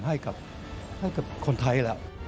ให้กับคนไทย